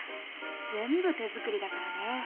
全部手作りだからね。